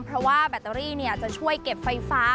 เพราะว่าแบตเตอรี่จะช่วยเก็บไฟฟ้า